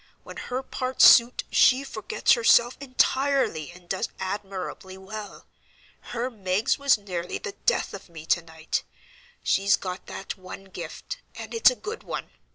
When her parts suit, she forgets herself entirely and does admirably well. Her Miggs was nearly the death of me to night. She's got that one gift, and it's a good one.